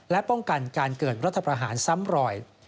และป้องกันการเกิดรัฐประหารซ้ำรอย